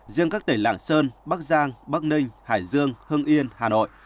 riêng các tỉnh lạng sơn bắc giang bắc ninh hải dương hưng yên hà nội